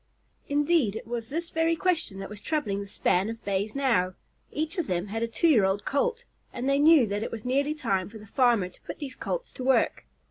Indeed, it was this very question that was troubling the span of Bays now. Each of them had a two year old Colt, and they knew that it was nearly time for the farmer to put these Colts to work.